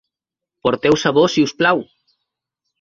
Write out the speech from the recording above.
Porteu sabó si us plau.